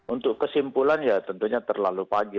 untuk kesimpulan ya tentunya terlalu pagi